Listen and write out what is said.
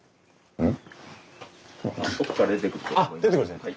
うん。